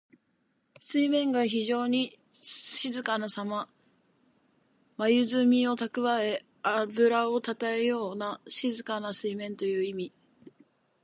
水面が非情に静かなさま。まゆずみをたくわえ、あぶらをたたえたような静かな水面という意味。